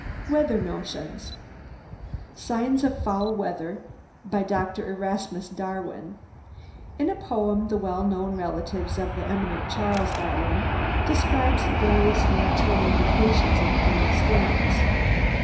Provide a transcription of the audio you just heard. WEATHER NOTIONS. "Signs of Foul Weather," by Dr. Erasmus Darwin. In a poem, the well known relative of the eminent Charles Darwin describes the various natural indications of coming storms.